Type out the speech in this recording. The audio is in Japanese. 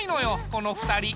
この２人。